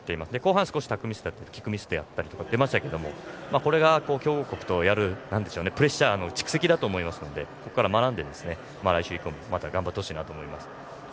後半はタックルミスだったりキックミスも出ましたがこれが強豪国とやるプレッシャーの蓄積だと思うのでここから学んで、来週以降も頑張ってほしいと思います。